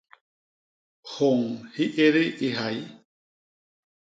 Hiôñ hi édi i hyay.